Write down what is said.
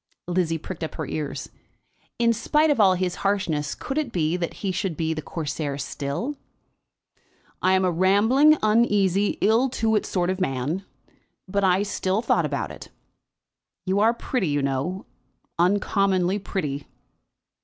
Lizzie pricked up her ears. In spite of all his harshness, could it be that he should be the Corsair still? "I am a rambling, uneasy, ill to do sort of man; but still I thought about it. You are pretty, you know, uncommonly pretty."